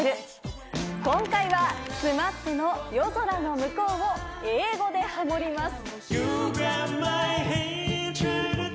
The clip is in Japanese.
今回はＳＭＡＰの『夜空ノムコウ』を英語でハモります。